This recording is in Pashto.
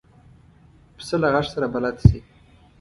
پسه له غږ سره بلد شي.